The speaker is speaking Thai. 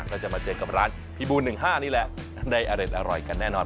ก็จะมาเจอกับร้านพี่บู๑๕นี่แหละได้อร่อยกันแน่นอน